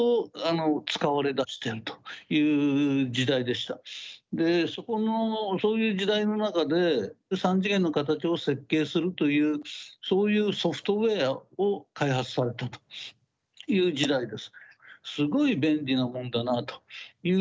あのそこのそういう時代の中で３次元の形を設計するというそういうソフトウエアを開発されたという時代です。